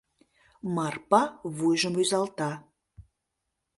— Марпа вуйжым рӱзалта.